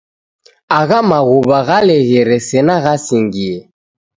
Agha maghuwa ghaleghere sena ghasingie!